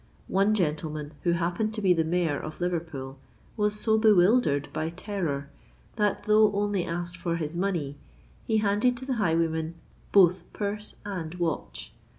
One gentleman, who happened to be the Mayor of Liverpool, was so bewildered by terror, that though only asked for his money, he handed to the highwayman both purse and watch.